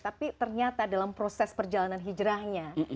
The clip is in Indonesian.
tapi ternyata dalam proses perjalanan hijrahnya